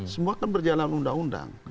semua kan berjalan undang undang